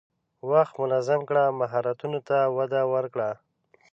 وخت منظم کړه، مهارتونو ته وده ورکړه.